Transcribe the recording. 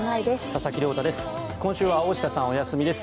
佐々木亮太です。